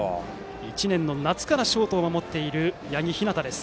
１年の夏からショートを守っている八木陽です。